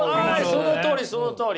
あそのとおりそのとおり！